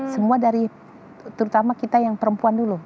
semua dari terutama kita yang perempuan dulu